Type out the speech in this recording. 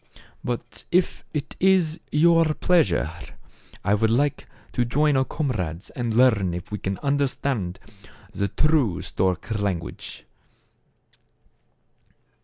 But if it is your pleasure, I would like to join our comrades and learn if we can under stand the true stork language."